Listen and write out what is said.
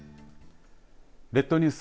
列島ニュース